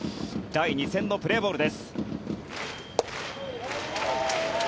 第２戦のプレーボールです。